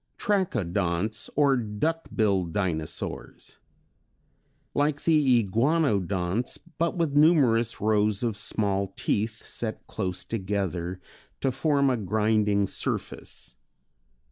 Trachodonts or Duck billed Dinosaurs. Like the Iguanodonts but with numerous rows of small teeth set close together to form a grinding surface.